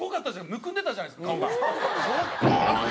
むくんでたじゃないですか顔が。